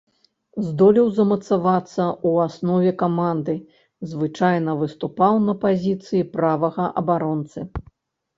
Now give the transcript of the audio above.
Здолеў замацавацца ў аснове каманды, звычайна выступаў на пазіцыі правага абаронцы.